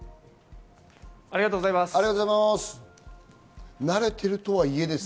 ありがとうございます。